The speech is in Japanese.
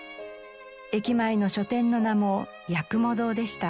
駅前の書店の名も「八雲堂」でした。